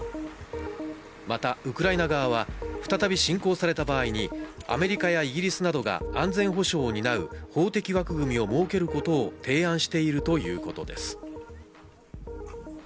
またウクライナ側は再び侵攻された場合にアメリカやイギリスなどが安全保障を担う法的枠組みを設けることを提案しているということです。